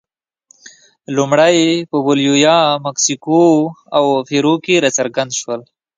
لومړی په بولیویا، مکسیکو او پیرو کې راڅرګند شول.